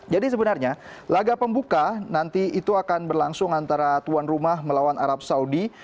jadi sebenarnya laga pembuka nanti itu akan berlangsung antara tuan rumah melawan arab saudi